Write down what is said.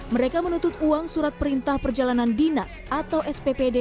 mereka menuntut uang surat perintah perjalanan dinas atau sppd